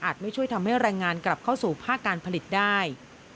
ไม่ช่วยทำให้แรงงานกลับเข้าสู่ภาคการผลิตได้